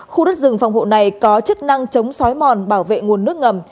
khu đất rừng phòng hộ này có chức năng chống xói mòn bảo vệ nguồn nước ngầm